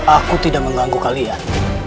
aku tidak mengganggu kalian